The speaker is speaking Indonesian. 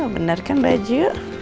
bener kan baju